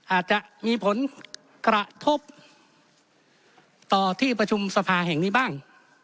อาจจะมีผลกระทบต่อที่ประชุมสภาแห่งนี้บ้าง